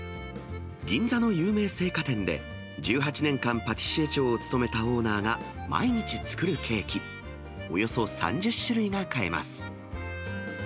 銀座の有名製菓店で１８年間、パティシエ長を務めたオーナーが毎日作るケーキ、およそ３０種類が買えます。